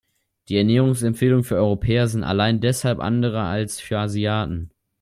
Die Ernährungsempfehlungen für Europäer sind allein deshalb andere als für Asiaten.